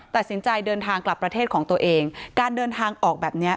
ตัดสินใจเดินทางกลับประเทศของตัวเองการเดินทางออกแบบเนี้ย